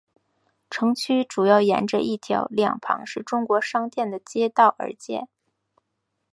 城区主要沿着一条两旁是中国商店的街道而建。